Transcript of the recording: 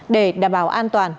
để đảm bảo an toàn